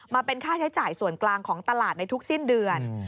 เป็นค่าใช้จ่ายส่วนกลางของตลาดในทุกสิ้นเดือน